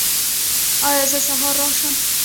ایا زه سهار راشم؟